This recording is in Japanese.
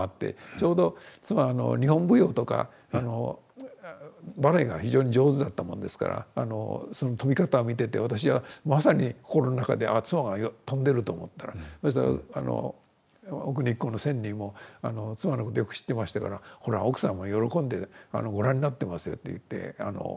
ちょうど妻は日本舞踊とかバレエが非常に上手だったもんですからその飛び方を見てて私はまさに心の中ではあっ妻が飛んでると思ったらそしたら奥日光の仙人も妻のことをよく知ってましたから「ほら奥さんも喜んでご覧になってますよ」って私に言ってくれましたね。